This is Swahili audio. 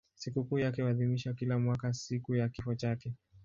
Sikukuu yake huadhimishwa kila mwaka siku ya kifo chake.